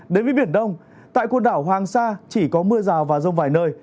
đến với biển đông tại quần đảo hoàng sa chỉ có mưa rào và rông vài nơi